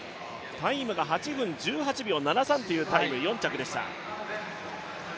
タイムが８分１８秒７３というタイム、４着でした。